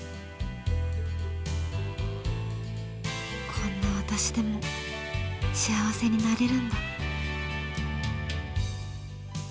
［こんな私でも幸せになれるんだ］